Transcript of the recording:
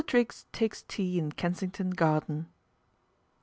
TRIGGS TAKES TEA IN KENSINGTON GARDEN?